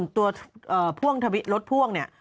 ตัวรถพ่วงเนี่ย